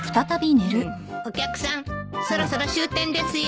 ・「お客さんそろそろ終点ですよ」